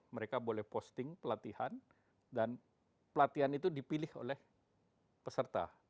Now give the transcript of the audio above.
mereka boleh posting pelatihan dan pelatihan itu dipilih oleh peserta